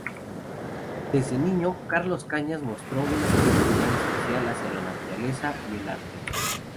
Desde niño Carlos Cañas mostró una sensibilidad especial hacia la naturaleza y el arte.